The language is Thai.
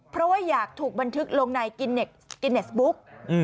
เพราะว่าอยากถูกบันทึกลงในกินเนสบุ๊ก